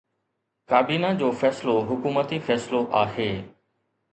ڪابينا جو فيصلو حڪومتي فيصلو آهي.